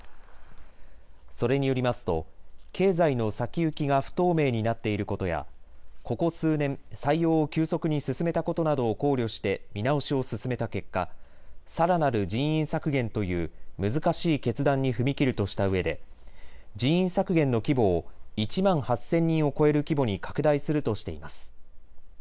それによりますと経済の先行きが不透明になっていることやここ数年、採用を急速に進めたことなどを考慮して見直しを進めた結果、さらなる人員削減という難しい決断に踏み切るとしたうえで人員削減の規模を１万８０００人を超える規模に拡大するとしています。